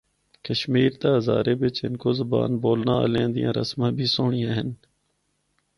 کشمیر تے ہزارے بچ ہندکو زبان بولنا آلیاں دیاں رسماں بھی سہنڑیاں ہن۔